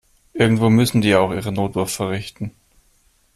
Irgendwo müssen die ja auch ihre Notdurft verrichten.